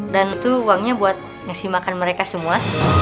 dan itu uangnya buat ngasih makan mereka semua